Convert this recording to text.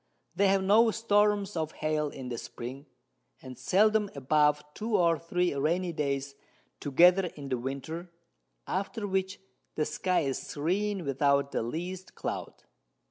They have no Storms of Hail in the Spring, and seldom above 2 or 3 rainy Days together in the Winter, after which the Sky is serene without the least Cloud.